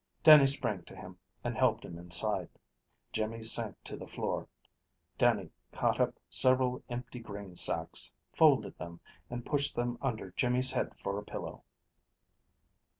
Dannie sprang to him, and helped him inside. Jimmy sank to the floor. Dannie caught up several empty grain sacks, folded them, and pushed them under Jimmy's head for a pillow.